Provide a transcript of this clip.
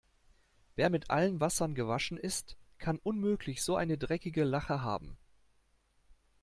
Wer mit allen Wassern gewaschen ist, kann unmöglich so eine dreckige Lache haben.